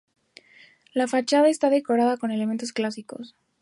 La fachada está decorada con elementos clásicos.